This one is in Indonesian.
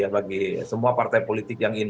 bagi semua partai politik yang ingin